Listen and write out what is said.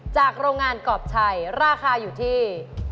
โรงงานกรอบชัยราคาอยู่ที่